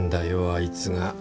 あいつが。